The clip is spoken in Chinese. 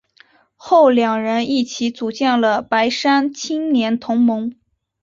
后两人一起组建了白山青年同盟。